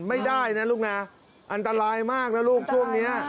ไม่ได้นะลูกนะอันตรายมากนะลูกช่วงนี้